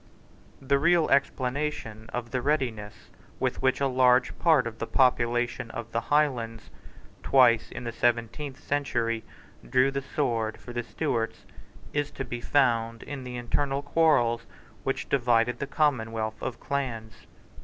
The real explanation of the readiness with which a large part of the population of the Highlands, twice in the seventeenth century, drew the sword for the Stuarts is to be found in the internal quarrels which divided the commonwealth of clans.